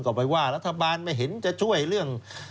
ก็ไปว่ารัฐบาลไม่เห็นจะช่วยเรื่อง